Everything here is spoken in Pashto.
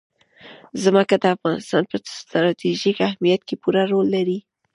ځمکه د افغانستان په ستراتیژیک اهمیت کې پوره رول لري.